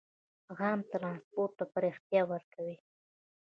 عام ټرانسپورټ ته پراختیا ورکوي.